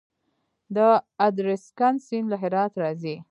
د ادرسکن سیند له هرات راځي